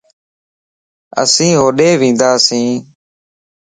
اسين ھوڏي ونداسين